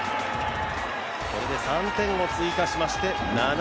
これで３点を追加しまして７−２。